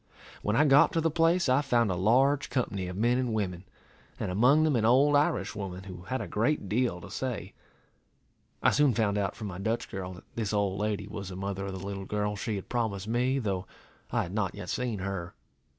When I got to the place, I found a large company of men and women, and among them an old Irish woman, who had a great deal to say. I soon found out from my Dutch girl, that this old lady was the mother of the little girl she had promised me, though I had not yet seen her.